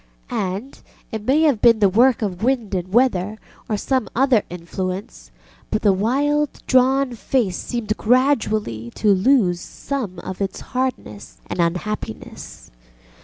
And, it may have been the work of wind and weather, or some other influence, but the wild drawn face seemed gradually to lose some of its hardness and unhappiness.